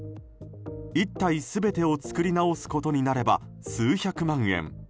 １体全てを作り直すことになれば数百万円。